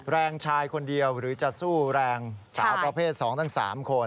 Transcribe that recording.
แรงชายคนเดียวหรือจะสู้แรงสาวประเภท๒ทั้ง๓คน